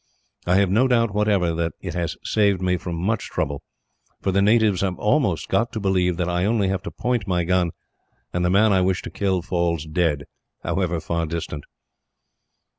I have no doubt, whatever, that it has saved me from much trouble; for the natives have almost got to believe that I only have to point my gun, and the man I wish to kill falls dead, however far distant."